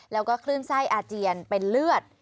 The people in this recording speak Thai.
แล้วก็คลื่นไส้อาเจียนเป็นเลือด